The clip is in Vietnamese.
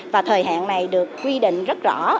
và thời hạn này được quy định rất rõ